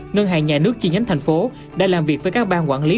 ngân hàng nhà nước chi nhánh tp hcm đã làm việc với các bang quản lý